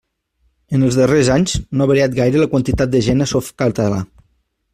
En els darrers anys no ha variat gaire la quantitat de gent a Softcatalà.